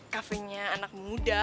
cafe nya anak muda